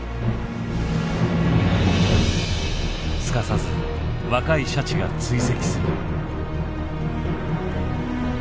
すかさず若いシャチが追跡する。